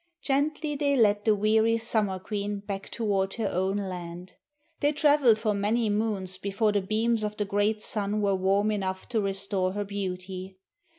Gently they led the weary Summer Queen back toward her own land. They travelled for many moons before the beams of the great sun were warm enough to restore her beauty.